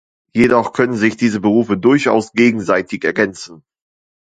Jedoch können sich diese Berufe durchaus gegenseitig ergänzen.